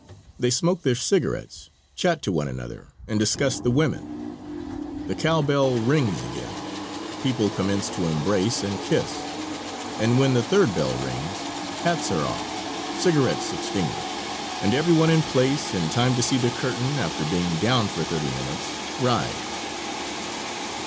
They smoke their cigarettes, chat to one another, and discuss the women. The cow bell rings again, people commence to embrace and kiss, and when the third bell rings, hats are off, cigarettes extinguished, and every one in place in time to see the curtain, after being down for thirty minutes, rise.